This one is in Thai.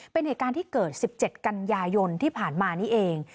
เป็นเหตุการณ์ที่เกิด๑๗กันยายนที่ผ่านมานี่เอง